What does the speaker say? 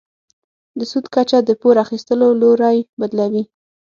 د سود کچه د پور اخیستلو لوری بدلوي.